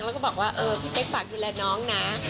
แล้วก็บอกว่าเออพี่เป๊กฝากดูแลน้องนะ